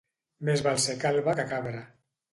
Més val ser calba que cabra.